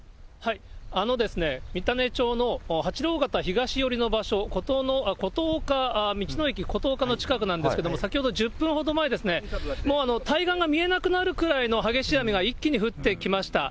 三種町のはちろうがた東寄りの場所、ことおか道の駅ことおかの近くなんですが、先ほど１０分ほど前、もう対岸が見えなくなるくらいの激しい雨が一気に降ってきました。